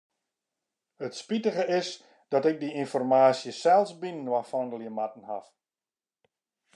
It spitige is dat ik dy ynformaasje sels byinoar fandelje moatten haw.